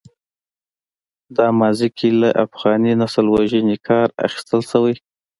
دا ماضي کې له افغاني نسل وژنې کار اخیستل شوی.